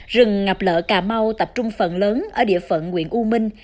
rừng ngập lợ cà mau tập trung phần lớn ở địa phận nguyện u minh